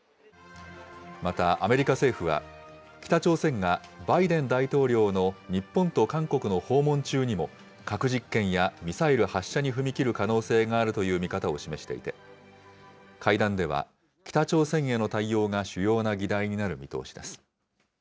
また、アメリカ政府は、北朝鮮がバイデン大統領の日本と韓国の訪問中にも、核実験やミサイル発射に踏み切る可能性があるという見方を示していて、会談では、北朝鮮への対応が主要な議題になる見通しです。